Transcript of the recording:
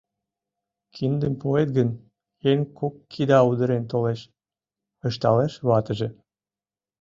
— Киндым пуэт гын, еҥ кок кида удырен толеш, — ышталеш ватыже.